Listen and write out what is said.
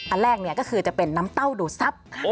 อันแรกก็คือจะเป็นน้ำเต้าดูดซับ